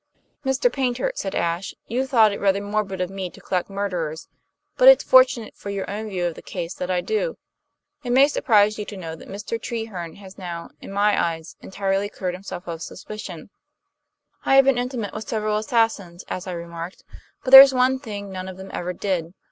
"Mr. Paynter," said Ashe, "you thought it rather morbid of me to collect murderers; but it's fortunate for your own view of the case that I do. It may surprise you to know that Mr. Treherne has now, in my eyes, entirely cleared himself of suspicion. I have been intimate with several assassins, as I remarked; but there's one thing none of them ever did.